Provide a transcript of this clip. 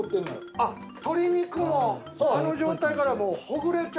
あっ鶏肉もあの状態からほぐれちゃうね